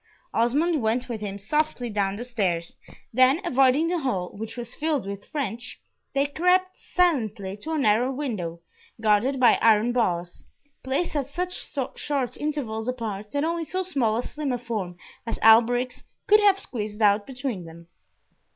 Osmond went with him softly down the stairs, then avoiding the hall, which was filled with French, they crept silently to a narrow window, guarded by iron bars, placed at such short intervals apart that only so small and slim a form as Alberic's could have squeezed out between them.